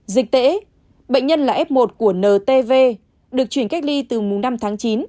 dịch tễ bệnh nhân là f một của ntv được chuyển cách ly từ mùng năm tháng chín